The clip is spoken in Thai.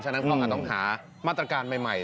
ฉะนั้นก็อาจต้องหามาตรการใหม่